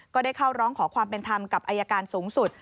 ก็ได้เข้าร้องขอความเป็นธรรมกับอายการสูงสุด